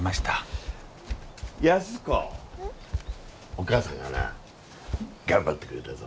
お母さんがな頑張ってくれたぞ。